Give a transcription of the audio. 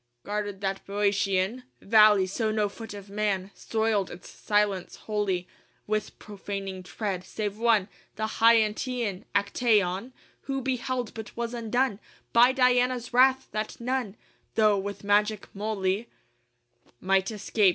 VI Guarded that Bœotian Valley so no foot of man Soiled its silence holy With profaning tread save one, The Hyantian: Actæon, Who beheld but was undone By Diana's wrath, that none 'Though with magic moly, VII Might escape.